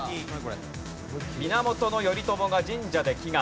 源頼朝が神社で祈願。